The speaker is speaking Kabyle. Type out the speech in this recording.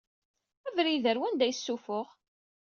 Abrid-a, ɣer wanda i isufuɣ?